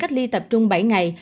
cách ly tập trung bảy ngày